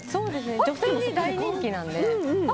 女性に大人気なので。